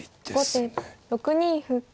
後手６二歩。